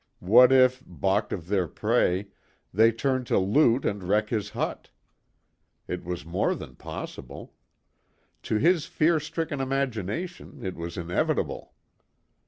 What if, baulked of their prey, they turned to loot and wreck his hut? It was more than possible. To his fear stricken imagination it was inevitable.